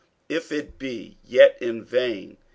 if it be yet in vain.